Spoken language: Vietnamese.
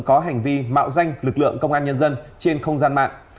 có hành vi mạo danh lực lượng công an nhân dân trên không gian mạng